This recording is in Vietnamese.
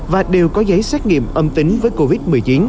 và đều có giấy xét nghiệm âm tính với covid một mươi chín